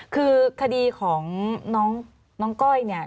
คือคดีของน้องก้อยเนี่ย